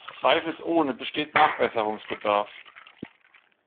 Zweifelsohne besteht Nachbesserungsbedarf.